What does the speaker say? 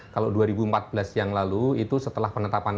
kalau dua ribu empat belas yang lalu itu setelah penetapan